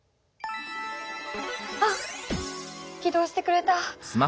あっ起動してくれた。